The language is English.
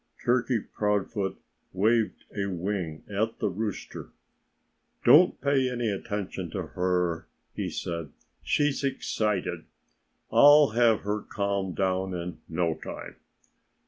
Turkey Proudfoot waved a wing at the rooster. "Don't pay any attention to her!" he said. "She's excited. I'll have her calmed down in no time."